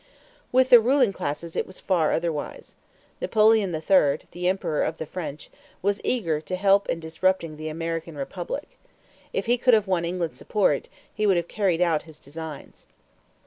With the ruling classes it was far otherwise. Napoleon III, the Emperor of the French, was eager to help in disrupting the American republic; if he could have won England's support, he would have carried out his designs.